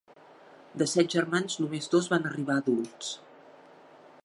De set germans només dos van arribar a adults.